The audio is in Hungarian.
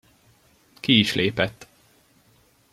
Ki is lépett.